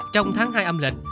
trong tháng hai âm lịch